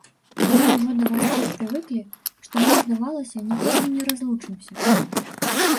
Мы ўжо да вас так прывыклі, што мне здавалася, ніколі не разлучымся.